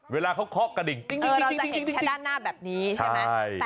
เวลาเขาเคาะกระดิ่งเราจะเห็นแค่ด้านหน้าแบบนี้ใช่ไหม